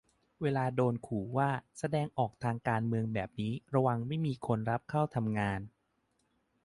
เวลาโดนขู่ว่า แสดงออกการเมืองแบบนี้ระวังไม่มีคนรับเข้าทำงาน